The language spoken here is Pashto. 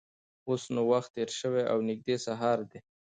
اوس نو وخت تېر شوی او نږدې سهار دی.